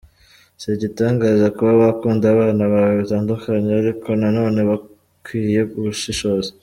Si igitangaza kuba wakunda abana bawe bitandukanye ariko na none hakwiye ubushishozi.